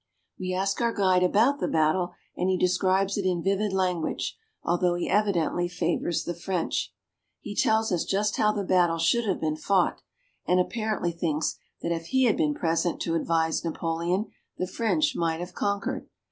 We ask our guide about the battle, and he describes it in vivid language, although he evidently favors the French. He tells us just how the battle should have been fought, and apparently thinks that if he had been present to advise Napoleon the French might have conquered.